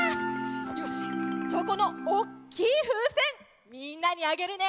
よしじゃあこのおっきいふうせんみんなにあげるね！